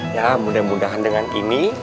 ya mudah mudahan dengan ini